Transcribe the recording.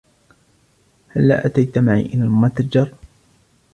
هلا أتيت معي إلى المتجر؟